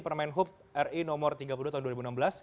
permen hub ri nomor tiga puluh tahun dua ribu enam belas